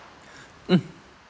うん。